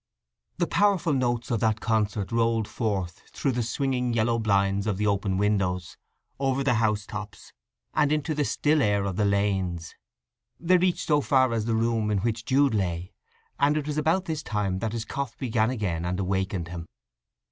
The powerful notes of that concert rolled forth through the swinging yellow blinds of the open windows, over the housetops, and into the still air of the lanes. They reached so far as to the room in which Jude lay; and it was about this time that his cough began again and awakened him.